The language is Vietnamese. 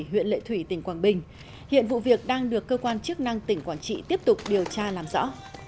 huyện lệ thủy tỉnh quảng bình hiện vụ việc đang được cơ quan chức năng tỉnh quảng trị tiếp tục điều tra làm rõ